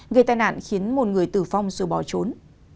gây tai nạn khiến một người tử vong rồi bỏ trốn